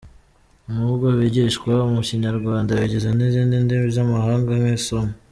Nubwo bigishwa mu Kinyarwanda, biga n’izindi ndimi z’amahanga nk’isomo.